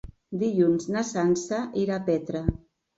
Dilluns na Sança irà a Petra.